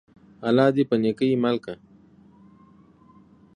الله دي په نيکۍ مل که!